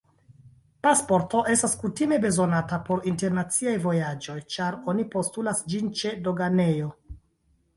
Pasporto estas kutime bezonata por internaciaj vojaĝoj, ĉar oni postulas ĝin ĉe doganejo.